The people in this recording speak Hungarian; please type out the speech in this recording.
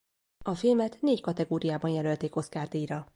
A filmet négy kategóriában jelölték Oscar-díjra.